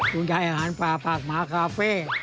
คุณใจอาหารปลาปากหมากาเฟ่